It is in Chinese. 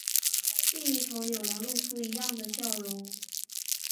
另一头有人露出一样的笑容